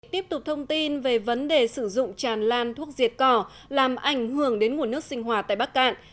tiếp tục thông tin về vấn đề sử dụng tràn lan thuốc diệt cỏ làm ảnh hưởng đến nguồn nước sinh hoạt tại bắc cạn